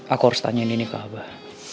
aku harus tanyain ini ke abah